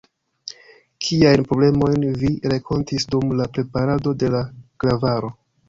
Kiajn problemojn vi renkontis dum la preparado de la klavaro?